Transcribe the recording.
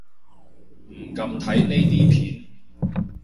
唔敢睇呢啲片